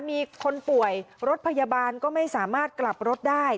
มีคนป่วยรถพยาบาลก็ไม่สามารถกลับรถได้